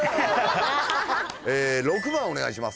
６番お願いします。